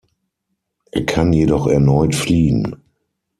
Er kann jedoch erneut fliehen.